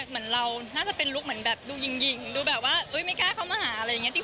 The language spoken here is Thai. เหมือนเราน่าจะเป็นลุคเหมือนแบบดูหญิงดูแบบว่าไม่กล้าเข้ามาหาอะไรอย่างนี้